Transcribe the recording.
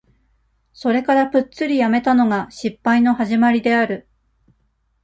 それからプッツリやめたのが、失敗の始まりである。